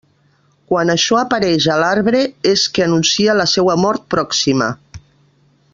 Quan això apareix a l'arbre, és que anuncia la seua mort pròxima.